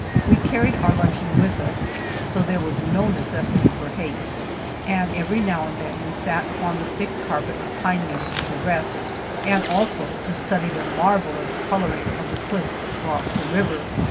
We carried our luncheon with us, so there was no necessity for haste, and every now and then we sat upon the thick carpet of pine needles to rest, and also study the marvelous coloring of the cliffs across the river.